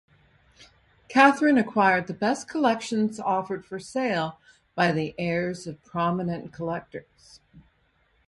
Catherine acquired the best collections offered for sale by the heirs of prominent collectors.